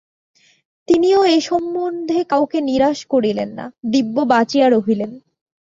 তিনিও এ সম্বন্ধে কাহাকেও নিরাশ করিলেন না, দিব্য বাঁচিয়া রহিলেন।